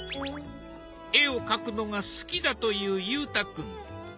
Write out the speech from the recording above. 絵を描くのが好きだという裕太君。